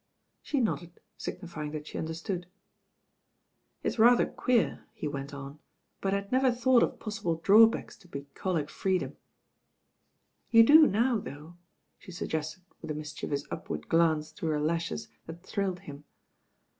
She nodded, signifying that she understood. ''It's rather queer," he went on, "but I had never thought of possible drawbacks to bucolic freedom." "You do now, though," she suggested with a mis chievous upward glance through her lashes that thrilled him.